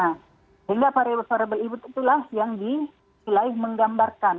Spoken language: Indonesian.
nah hingga variable variable itu lah yang disilai menggambarkan